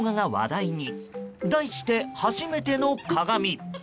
題して「初めての鏡」。